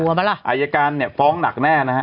ไหมล่ะอายการเนี่ยฟ้องหนักแน่นะฮะ